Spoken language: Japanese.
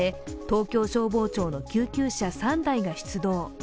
東京消防庁の救急車３台が出動。